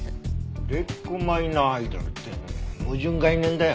売れっ子マイナーアイドルって矛盾概念だよ。